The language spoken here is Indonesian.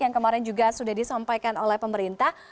yang kemarin juga sudah disampaikan oleh pemerintah